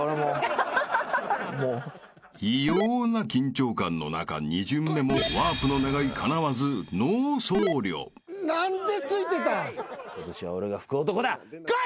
［異様な緊張感の中２巡目もワープの願いかなわずノー僧侶］こい！